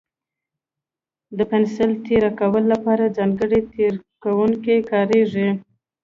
د پنسل تېره کولو لپاره ځانګړی تېره کوونکی کارېږي.